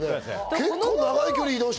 結構長い距離。